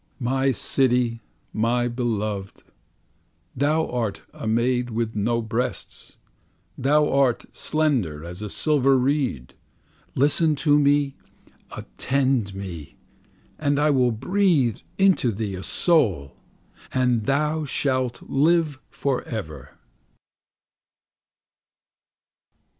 My City, my beloved, Thou art a maid with no breasts, Thou art slender as a silver reed. Listen to me, attend me! And I will breathe into thee a soul, And thou shalt live for ever.